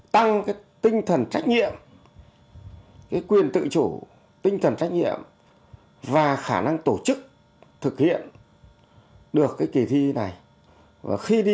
tăng cái tinh thần trách nhiệm cái quyền tự chủ tinh thần trách nhiệm và khả năng tổ chức thực hiện được cái kỳ thi này và khi đi